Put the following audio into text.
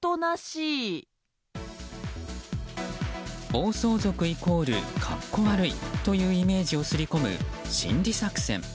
暴走族イコール格好悪いというイメージをすり込む心理作戦。